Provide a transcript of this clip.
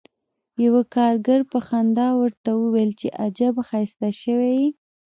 یوه کارګر په خندا ورته وویل چې عجب ښایسته شوی یې